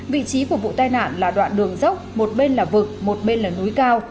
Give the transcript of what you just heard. vị trí của vụ tai nạn là đoạn đường dốc một bên là vực một bên là núi cao